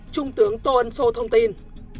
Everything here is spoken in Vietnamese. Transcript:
trung tướng tô an sô thông tin